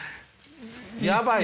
やばいぞ。